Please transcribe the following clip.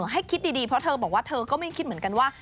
ให้คิดดีเพราะเธอบอกว่าเธอก็ไม่คิดเหมือนกันว่า